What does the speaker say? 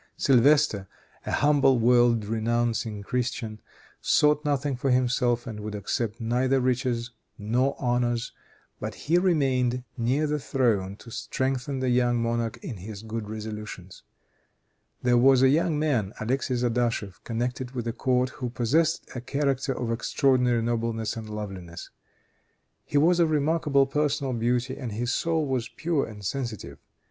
Sylvestre, a humble, world renouncing Christian, sought nothing for himself, and would accept neither riches nor honors, but he remained near the throne to strengthen the young monarch in his good resolutions. There was a young man, Alexis Adachef, connected with the court who possessed a character of extraordinary nobleness and loveliness. He was of remarkable personal beauty, and his soul was pure and sensitive.